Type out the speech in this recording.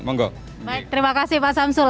terima kasih pak samsul